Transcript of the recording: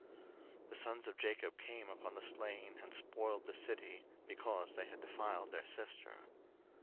01:034:027 The sons of Jacob came upon the slain, and spoiled the city, because they had defiled their sister.